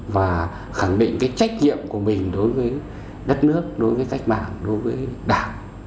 và khẳng định cái trách nhiệm của mình đối với đất nước đối với cách mạng đối với đảng